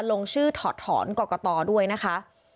ลงชื่อถอดถอนกรกตด้วยนะคะ